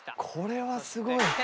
これはすごい。